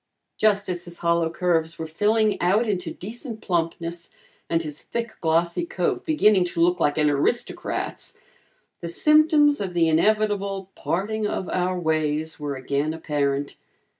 Just as his hollow curves were filling out into decent plumpness and his thick glossy coat beginning to look like an aristocrat's the symptoms of the inevitable "parting of our ways" were again apparent.